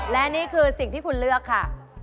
และนี่คือสิ่งที่คุณเลือกค่ะ